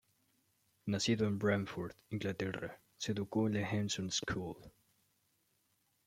Nacido en Bradford, Inglaterra, se educó en la Hanson School.